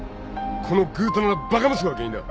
このぐうたらなバカ息子が原因だ。